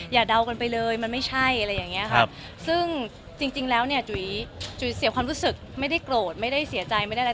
เดากันไปเลยมันไม่ใช่อะไรอย่างเงี้ยครับซึ่งจริงแล้วเนี่ยจุ๋ยจุ๋ยเสียความรู้สึกไม่ได้โกรธไม่ได้เสียใจไม่ได้อะไร